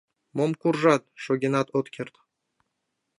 Мом куржат — шогенат от керт.